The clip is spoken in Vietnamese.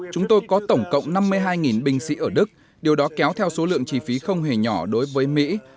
chúng tôi có tổng cộng năm mươi hai binh sĩ ở đức điều đó kéo theo số lượng chi phí không hề nhỏ đối với mỹ